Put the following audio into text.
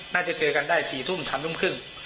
น่าจะเจอกันได้๔ทุ่ม๓ทุ่มครึ่ง